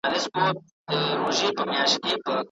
د هغه اثار اوس هم د پام وړ دي.